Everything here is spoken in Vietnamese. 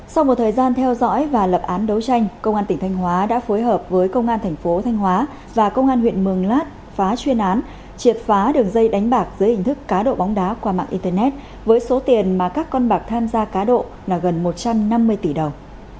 sau một thời gian theo dõi và lập án đấu tranh công an tỉnh thanh hóa đã phối hợp với công an thành phố thanh hóa và công an huyện mường lát phá chuyên án triệt phá đường dây đánh bạc dưới hình thức cá độ bóng đá qua mạng internet với số tiền mà các con bạc tham gia cá độ là gần một trăm năm mươi tỷ đồng